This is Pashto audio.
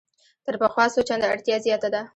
تر پخوا څو چنده اړتیا زیاته ده.